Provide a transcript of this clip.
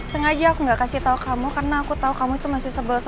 sengaja aku gak kasih tau kamu karena aku tau kamu itu masih sebel sama mbak endin kan